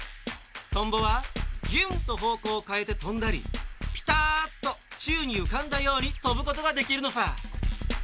とんぼはギュンッとほうこうをかえてとんだりピターッとちゅうにうかんだようにとぶことができるのさ。